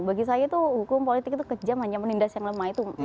bagi saya itu hukum politik itu kejam hanya menindas yang lemah itu